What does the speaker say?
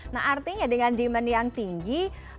nah artinya dengan demand yang tinggi